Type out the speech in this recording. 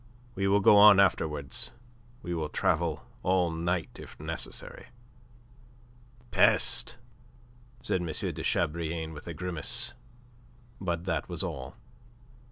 We will go on afterwards. We will travel all night if necessary." "Peste!" said M. de Chabrillane with a grimace. But that was all.